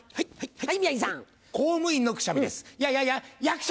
はい！